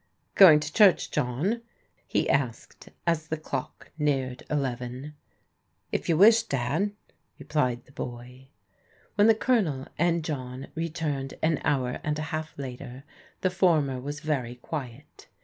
"Going to churchy John?*' he asked as the dock neared eleven. "If you wish, Dad," replied the boy. When the Colonel and John returned an hour and a half later the former was very quiet.